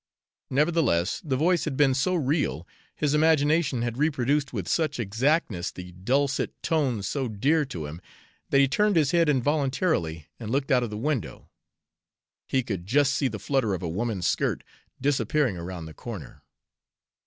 Nevertheless, the voice had been so real, his imagination had reproduced with such exactness the dulcet tones so dear to him, that he turned his head involuntarily and looked out of the window. He could just see the flutter of a woman's skirt disappearing around the corner.